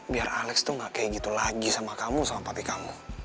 biar alex tuh gak kayak gitu lagi sama kamu sama pati kamu